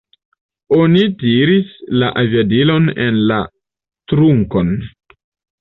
Oni tiris la aviadilon en la trunkon.